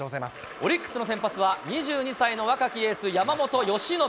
オリックスの先発は、２２歳の若きエース、山本由伸。